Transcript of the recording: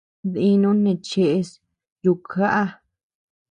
Dinuu neé cheʼes yukjaʼa.